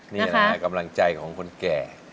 นี่นะฮะกำลังใจของคนแก่